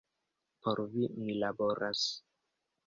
Por vi, mi laboras.